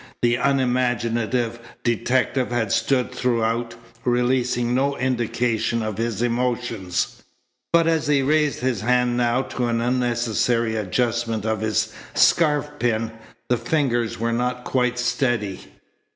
The unimaginative detective had stood throughout, releasing no indication of his emotions; but as he raised his hand now to an unnecessary adjustment of his scarf pin, the fingers were not quite steady.